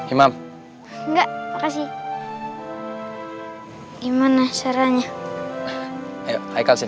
imam enggak kasih gimana caranya hai hai kasin